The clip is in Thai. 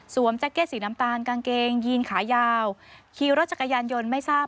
แจ็คเก็ตสีน้ำตาลกางเกงยีนขายาวขี่รถจักรยานยนต์ไม่ทราบ